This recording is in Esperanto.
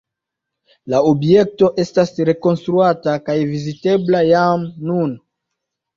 La objekto estas rekonstruata kaj vizitebla jam nun.